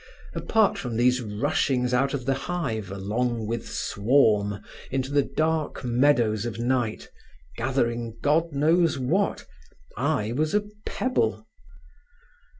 Apart from these rushings out of the hive, along with swarm, into the dark meadows of night, gathering God knows what, I was a pebble.